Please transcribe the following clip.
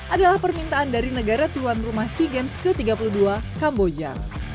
adalah permintaan dari negara tuan rumah sea games ke tiga puluh dua kamboja